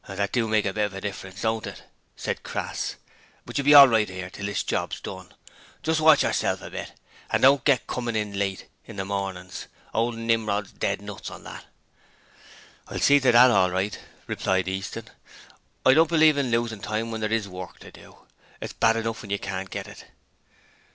'That do make a bit of difference, don't it?' said Crass. 'But you'll be all right 'ere, till this job's done. Just watch yerself a bit, and don't get comin' late in the mornin's. Old Nimrod's dead nuts on that.' 'I'll see to that all right,' replied Easton. 'I don't believe in losing time when there IS work to do. It's bad enough when you can't get it.'